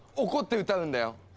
怒って歌うんだよ！